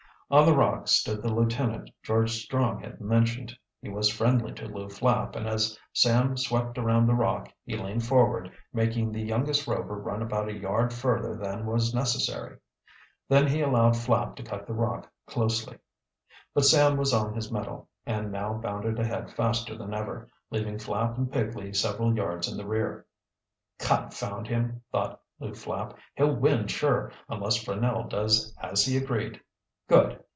On the rock stood the lieutenant George Strong had mentioned. He was friendly to Lew Flapp and as Sam swept around the rock, he leaned forward, making the youngest Rover run about a yard further than was necessary. Then he allowed Flapp to cut the rock closely. But Sam was on his mettle and now bounded ahead faster than ever, leaving Flapp and Pigley several yards in the rear. "Confound him," thought Lew Flapp. "He'll win sure, unless Franell does as he agreed good!"